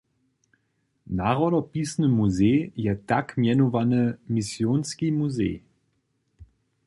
Narodopisny muzej je tak mjenowany misionski muzej.